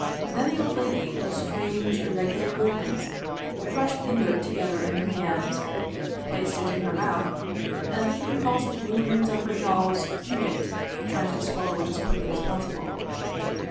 Then the old lady, with a strange, irregular movement, crushed the note together in her hand, placed it in her mouth, and with a convulsive movement of her jaws chewed it, trying to swallow it as quickly as possible.